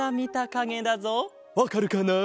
わかるかな？